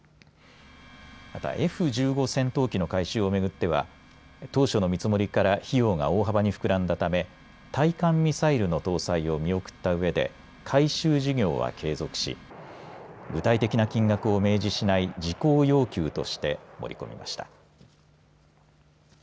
またＦ１５戦闘機の改修を巡っては当初の見積もりから費用が大幅に膨らんだため対艦ミサイルの搭載を見送ったうえで改修事業は継続し、具体的な金額を明示しない事項要求として盛り込みました。